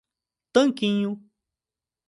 Tanquinho